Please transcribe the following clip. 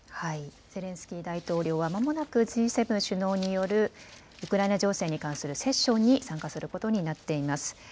ゼレンスキー大統領はまもなくＧ７首脳による、ウクライナ情勢に関するセッションに参加することになっています。